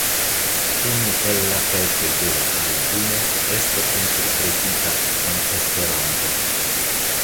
Unu el la pecoj de la albumo estas interpretita en Esperanto.